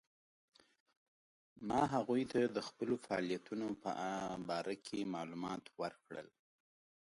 ما هغوی ته د خپلو فعالیتونو په باره کې معلومات ورکړل.